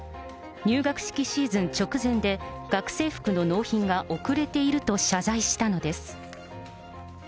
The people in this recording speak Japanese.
入学式シーズン直前で、学生服の納品が遅れていると謝罪したのです。